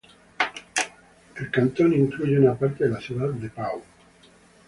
El cantón incluye una parte de la ciudad de Pau.